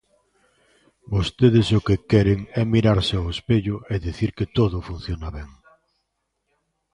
Vostedes o que queren é mirarse ao espello e dicir que todo funciona ben.